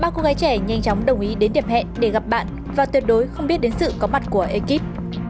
ba cô gái trẻ nhanh chóng đồng ý đến điểm hẹn để gặp bạn và tuyệt đối không biết đến sự có mặt của ekip